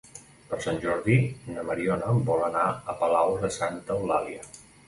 Per Sant Jordi na Mariona vol anar a Palau de Santa Eulàlia.